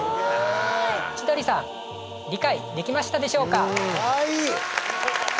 千鳥さん理解できましたでしょうか？